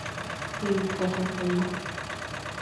Kiit kasartanyo.